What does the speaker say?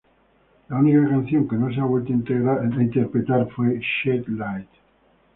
La única canción que no se ha vuelto a interpretar fue "Shed Light".